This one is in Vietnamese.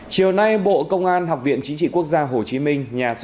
chiều nay bộ công an học viện chính trị quốc gia hồ chí minh